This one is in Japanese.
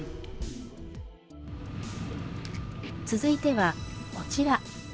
続いては、こちら。